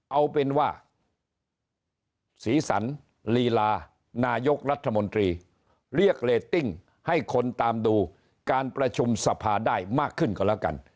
เอาเป็นว่าสีสันลีลานายกรัฐมนตรีเรียกเรตติ้งให้คนตามดูการประชุมสภาได้มากขึ้นก็แล้วกัน